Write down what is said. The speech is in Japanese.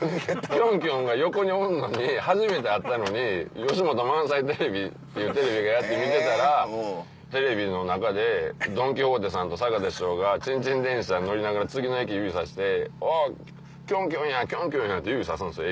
キョンキョンが横におんのに初めて会ったのに『吉本満載テレビ』っていうテレビ見てたらテレビの中でどんきほてさんと坂田師匠がチンチン電車に乗りながら次の駅指さして「おっキョンキョンやキョンキョンや！」って指さすんですよ